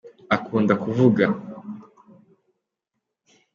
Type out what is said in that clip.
akunda kuvuga